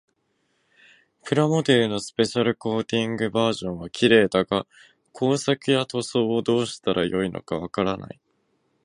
プラモデルのスペシャルコーティングバージョンは綺麗だが、工作や塗装をどうしたらよいのかわからない。